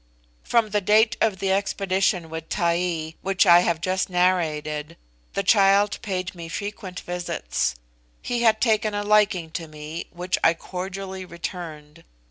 From the date of the expedition with Taee which I have just narrated, the child paid me frequent visits. He had taken a liking to me, which I cordially returned.